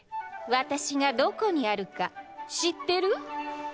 わたしがどこにあるかしってる？